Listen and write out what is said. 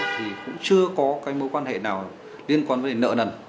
thì cũng chưa có mối quan hệ nào liên quan đến nợ nần